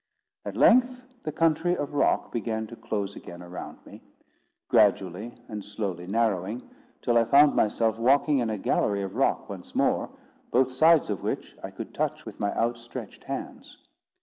At length the country of rock began to close again around me, gradually and slowly narrowing, till I found myself walking in a gallery of rock once more, both sides of which I could touch with my outstretched hands.